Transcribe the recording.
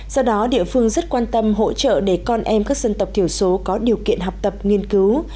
do đó địa phương rất quan tâm hỗ trợ để con em các dân tộc thiểu số có điều kiện học tập nghiên cứu